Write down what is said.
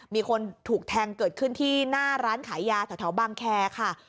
มีคนถูกแทงเกิดขึ้นที่หน้าร้านขายยาแถวบางแคร์ค่ะ